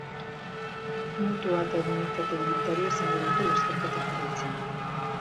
Motoa eta unitate ibiltaria izango dute lasterketa jarraitzen.